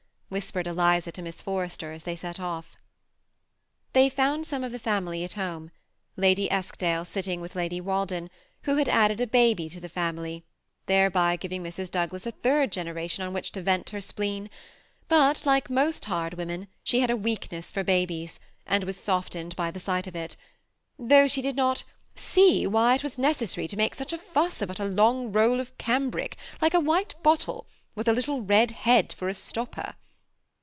whispered £liza to Miss Forrester, as they set off. They found some of the family at home, — Lady Eskdale sitting with Lady Walden, who had added a baby to the family, — thereby giving Mrs. Douglas a third generation on which to Tent her spleen ; but, like most hard women, she had a weakness for babies, and was softened by the sight of it, though she did not '^ see why it was necessary to make such a fuss about a long roll of cambric, like a white bottle, with a little red head for a stopper."